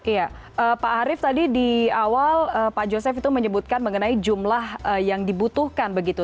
iya pak arief tadi di awal pak joseph itu menyebutkan mengenai jumlah yang dibutuhkan begitu